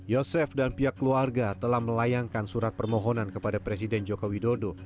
yosef dan pihak keluarga telah melayangkan surat permohonan kepada presiden joko widodo